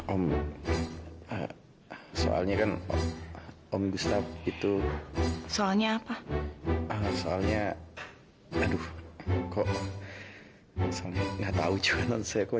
om soalnya kan om gustaf itu soalnya apa soalnya aduh kok nggak tahu juga nanti saya